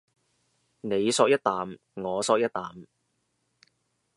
你嗦一啖我嗦一啖